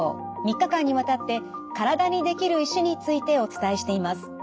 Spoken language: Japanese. ３日間にわたって体にできる石についてお伝えしています。